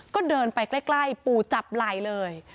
ก็เดินไปใกล้ปู่จับไหล่เลย